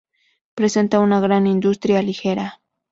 Presenta una gran industria ligera.